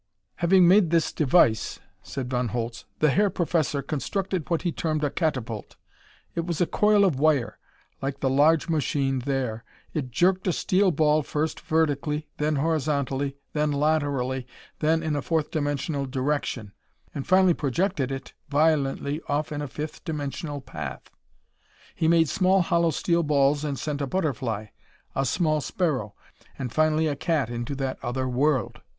"Having made this device," said Von Holtz, "the Herr Professor constructed what he termed a catapult. It was a coil of wire, like the large machine there. It jerked a steel ball first vertically, then horizontally, then laterally, then in a fourth dimensional direction, and finally projected it violently off in a fifth dimensional path. He made small hollow steel balls and sent a butterfly, a small sparrow, and finally a cat into that other world.